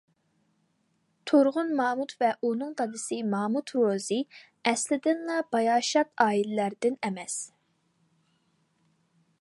تۇرغۇن مامۇت ۋە ئۇنىڭ دادىسى مامۇت روزى ئەسلىدىنلا باياشات ئائىلىلەردىن ئەمەس.